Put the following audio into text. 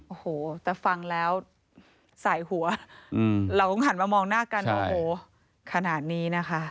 โอ้โหแต่ฟังแล้วสายหัวเราต้องหันมามองหน้ากันโอ้โหขนาดนี้นะคะ